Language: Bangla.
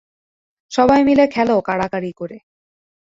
সবাই মিলে খেল কাড়াকাড়ি করে।